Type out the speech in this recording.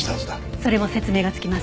それも説明がつきます。